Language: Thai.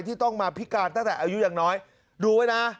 ที่ต้องมาพิการตั้งแต่อายุอย่างน้อยดูไว้นะ